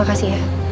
apa lagi sih